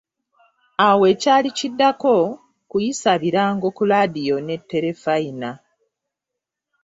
Awo ekyali kiddako, kuyisa birango ku laadiyo ne terefayina.